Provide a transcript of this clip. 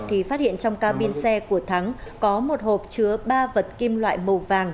thì phát hiện trong cao pin xe của thắng có một hộp chứa ba vật kim loại màu vàng